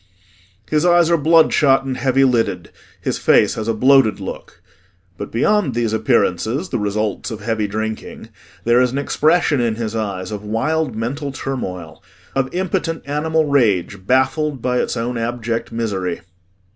His eyes are bloodshot and heavy lidded, his face has a bloated look. But beyond these appearances the results of heavy drinking there is an expression in his eyes of wild mental turmoil, of impotent animal rage baffled by its own abject misery.